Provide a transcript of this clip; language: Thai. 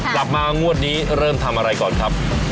กลับมางวดนี้เริ่มทำอะไรก่อนครับ